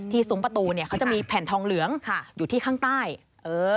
ที่ซุ้มประตูนี่เขาจะมีแผ่นทองเหลืองอยู่ที่ข้างใต้